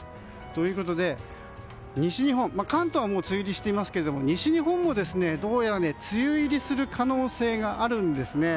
ということで、関東はもう梅雨入りしていますけど西日本も、どうやら梅雨入りする可能性があるんですね。